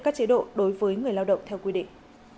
các chế độ đối với người lao động theo quy định